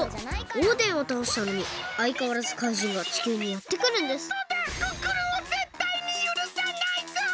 オーデンをたおしたのにあいかわらず怪人が地球にやってくるんですクックルンをぜったいにゆるさないぞ！